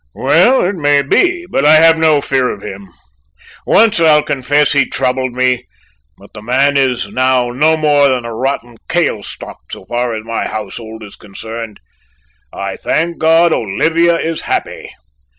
"Well, it may be, but I have no fear of him. Once, I'll confess, he troubled me, but the man is now no more than a rotten kail stock so far as my household is concerned. I thank God Olivia is happy!"